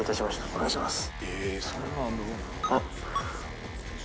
お願いします。